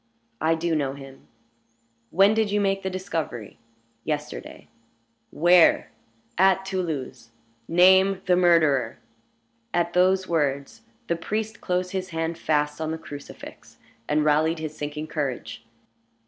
"I do know him." "When did you make the discovery?" "Yesterday." "Where?" "At Toulouse." "Name the murderer." At those words the priest closed his hand fast on the crucifix, and rallied his sinking courage.